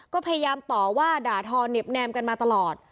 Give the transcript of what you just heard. ก็พยายามต่อว่าด่าทอเน็บแนมกันมาตลอด